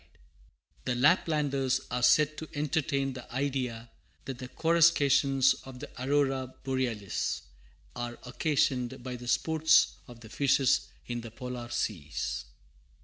[Footnote A: The Laplanders are said to entertain the idea that the coruscations of the Aurora Borealis, are occasioned by the sports of the fishes in the polar seas.